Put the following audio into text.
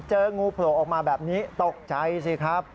เจองูโผล่ออกมาแบบนี้ตกใจสิครับ